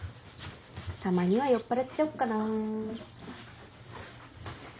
たまには酔っぱらっちゃおっかな。